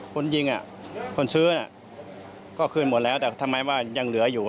คนยิงคนซื้อก็คืนหมดแล้วแต่ทำไมว่ายังเหลืออยู่